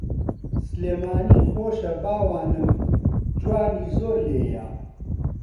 سلێمانی خۆشە باوانم جوانی زۆر لێیە